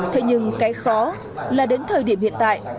thế nhưng cái khó là đến thời điểm hiện tại